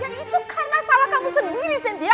itu karena salah kamu sendiri cynthia